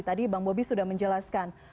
tadi bang bobi sudah menjelaskan